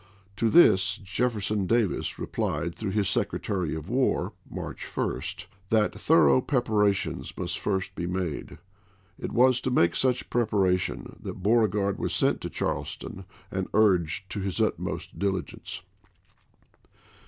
To this Jefferson Davis chap. it. replied through his Secretary of War, March 1, waiker that thorough preparations must first be made. w^Vvoi' It was to make such preparation that Beauregard ^•'^'^^^• was sent to Charleston and urged to his utmost diligence.